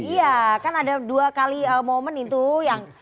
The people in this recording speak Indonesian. iya kan ada dua kali momen itu yang